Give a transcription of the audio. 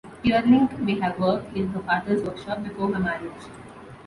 Teerlinc may have worked in her father's workshop before her marriage.